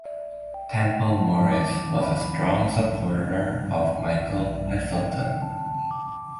Temple-Morris was a strong supporter of Michael Heseltine.